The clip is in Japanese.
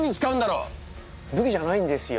武器じゃないんですよ。